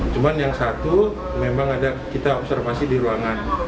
cuma yang satu memang ada kita observasi di ruangan